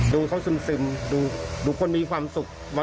ดูเขาซึมดูคนมีความสุข